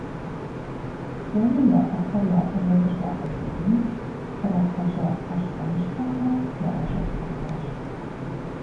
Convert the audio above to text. Псоми я Ӏыхьэр яӀыгъыу къыщагъэзэжым, кърахьэжьа пхъэщхьэмыщхьэхэр яӀэщӀэшхыхьащ.